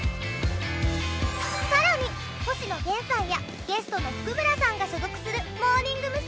さらに星野源さんやゲストの譜久村さんが所属するモーニング娘。